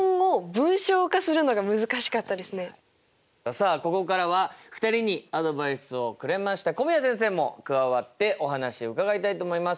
さあここからは２人にアドバイスをくれました古宮先生も加わってお話を伺いたいと思います。